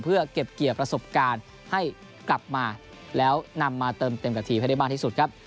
เพื่อเก็บเกี่ยวประสบการณ์ให้กลับมาแล้วนำมาเติมเต็มกับทีมให้ได้มากที่สุดครับ